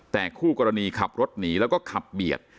แต่คู่กรณีขับรถหนีแล้วก็ขับเบียด